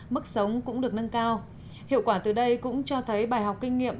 mức sống cũng được nâng cao hiệu quả từ đây cũng cho thấy bài học kinh nghiệm